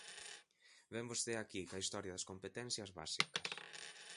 Vén vostede aquí coa historia das competencias básicas.